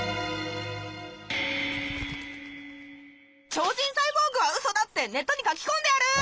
超人サイボーグはうそだってネットに書きこんでやる！